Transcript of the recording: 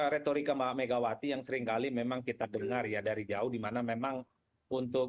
retorika mbak megawati yang seringkali memang kita dengar ya dari jauh dimana memang untuk